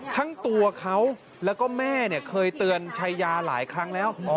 ทั้งตัวเขาแล้วก็แม่เนี่ยเคยเตือนชัยยาหลายครั้งแล้ว